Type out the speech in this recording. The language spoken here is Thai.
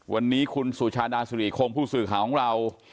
วันนี้คุณสุชาดาสุริคงผู้สื่อข่าวของเรา